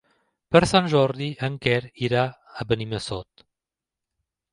Per Sant Jordi en Quer irà a Benimassot.